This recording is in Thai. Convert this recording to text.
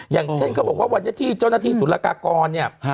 อย่างเช่นก็บอกว่าวันที่เจ้าหน้าที่สุรกากร